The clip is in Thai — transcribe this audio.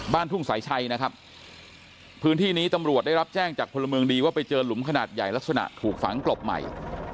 ทุ่งสายชัยนะครับพื้นที่นี้ตำรวจได้รับแจ้งจากพลเมืองดีว่าไปเจอหลุมขนาดใหญ่ลักษณะถูกฝังกลบใหม่